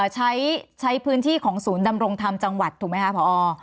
ใช้พื้นที่ของศูนย์ดำรงธรรมจังหวัดถูกไหมคะพอ